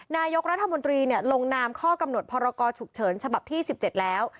นายกรัฐมนตรีเนี่ยลงนามข้อกำหนดพรกชุกเฉินฉบับที่สิบเจ็ดแล้ว